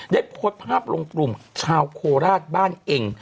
ได้โพสต์ภาพลงกลุ่มชาวโคราชบ้านเอง